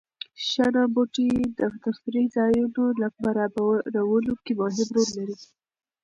شنه بوټي د تفریح ځایونو برابرولو کې مهم رول لري.